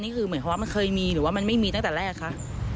นี่คือเหมือนมันเคยมีหรือว่ามันไม่มีตั้งแต่แรกค่ะ